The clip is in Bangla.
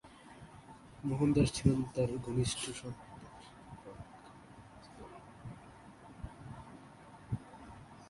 মোহনদাস ছিলেন তার কনিষ্ঠ সন্তান।